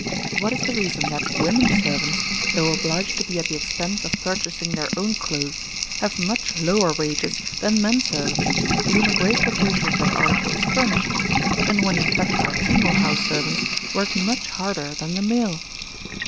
What is the reason that women servants, though obliged to be at the expense of purchasing their own clothes, have much lower wages than men servants, to whom a great proportion of that article is furnished, and when in fact our female house servants work much harder than the male?